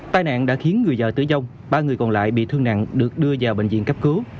tai nạn đã khiến người vợ tử vong ba người còn lại bị thương nặng được đưa vào bệnh viện cấp cứu